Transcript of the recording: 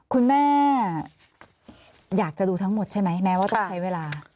คุณแม่อยากจะดูทั้งหมดใช่ไหมแม้ว่าต้องใช้เวลา